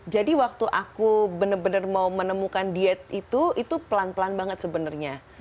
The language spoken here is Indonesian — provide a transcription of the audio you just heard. jadi waktu aku bener bener mau menemukan diet itu itu pelan pelan banget sebenarnya